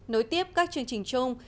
nối tiếp các chương trình chung